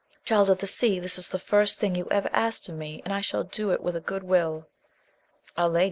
Child of the Sea, this is the first thing ye ever asked of me, and I shall do it with a good will. — Ah, lady